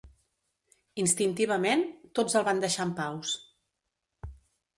Instintivament, tots el van deixar en paus.